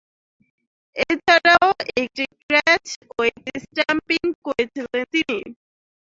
এছাড়াও, একটি ক্যাচ ও একটি স্ট্যাম্পিং করেছিলেন তিনি।